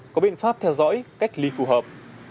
có biện pháp theo dõi cách ly phù hợp